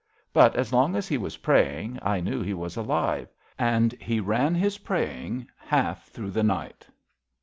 But as long as he was praying I knew he was alive, and he ran his praying half through the night.